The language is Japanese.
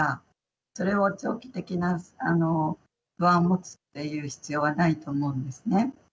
それを長期的な不安を持つっていう必要はないと思うんですね。